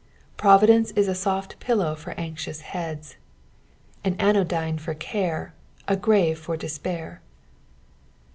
Providence is a soft pillow for anicious heads, an anodyne for care, a grave for despair.